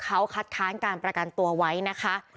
เขาคัดค้านการประกันตัวไว้นะคะ